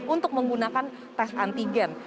untuk menggunakan tes antigen